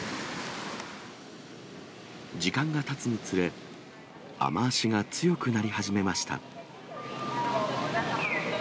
時間がたつにつれ、雨足が強くなり始めました。